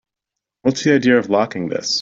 What's the idea of locking this?